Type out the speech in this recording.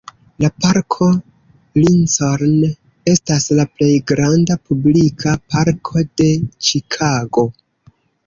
La Parko Lincoln estas la plej granda publika parko de Ĉikago.